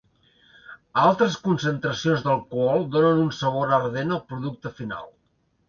Altes concentracions d'alcohol donen un sabor ardent al producte final.